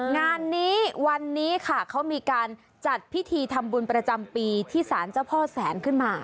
งานนี้วันนี้ค่ะเขามีการจัดพิธีทำบุญประจำปีที่สารเจ้าพ่อแสนขึ้นมา